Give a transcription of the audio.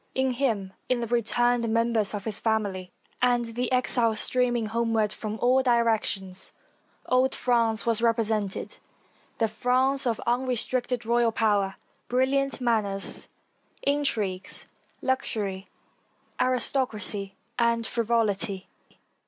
In him, in the returned members of his family, and the exiles streaming homeward from all directions, old France was represented — the France of unrestricted royal power, brilliant manners, intrigues, luxury, aristocracy, and frivolity.